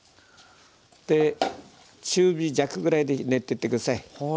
中火弱ぐらいで練ってって下さい。